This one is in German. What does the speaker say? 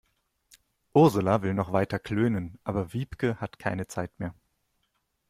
Ursula will noch weiter klönen, aber Wiebke hat keine Zeit mehr.